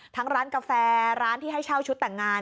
ร้านกาแฟร้านที่ให้เช่าชุดแต่งงาน